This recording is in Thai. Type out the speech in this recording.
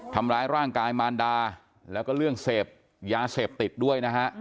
ทำร้ายร่างกายมารดาแล้วก็เรื่องเสพยาเสพติดด้วยนะฮะ